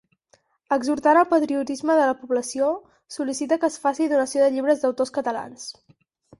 Exhortant al patriotisme de la població, sol·licita que es faci donació de llibres d'autors catalans.